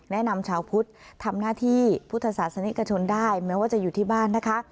นำชาวพุทธทำหน้าที่พุทธศาสนิกชนได้แม้ว่าจะอยู่ที่บ้านนะคะ